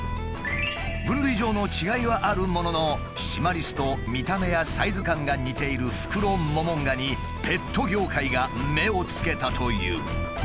分類上の違いはあるもののシマリスと見た目やサイズ感が似ているフクロモモンガにペット業界が目をつけたという。